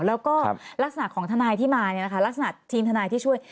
แล้วก็ลักษณะของทนายที่มาลักษณะทีมทนายที่ช่วย